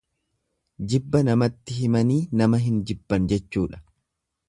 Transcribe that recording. Jibba namatti himanii nama hin jibban jechuudha.